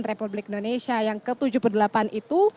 republik indonesia yang ke tujuh puluh delapan itu